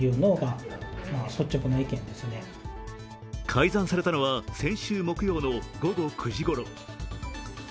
改ざんされたのは先週木曜の午前９時ごろ。